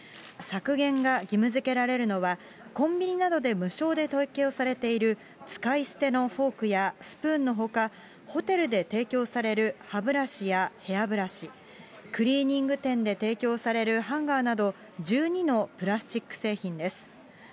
削減が義務づけられるのは、コンビニなどで無償で提供されている、使い捨てのフォークやスプーンのほか、ホテルで提供される歯ブラシやヘアブラシ、クリーニング店で提供されるハンガーなど、１２のプラスチック製品です。